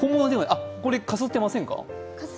これ、かすってませんか？